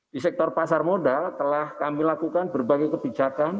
di sektor pasar modal telah kami lakukan berbagai kebijakan